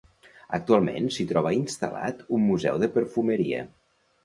Actualment s'hi troba instal·lat un museu de perfumeria.